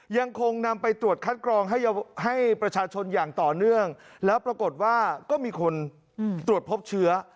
ยังคงนำไปตรวจคัดกรองให้ประชาชนอย่างต่อเนื่องแล้วปรากฏว่าก็มีคนตรวจพบเชื้อ